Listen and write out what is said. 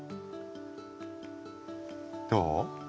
どう？